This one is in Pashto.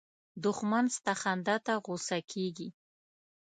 دښمن ستا خندا ته غوسه کېږي